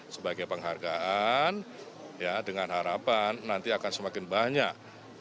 sebagai penghargaan dengan harapan nanti akan semakin banyak